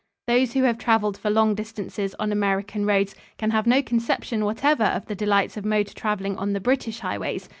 Those who have traveled for long distances on American roads can have no conception whatever of the delights of motor traveling on the British highways.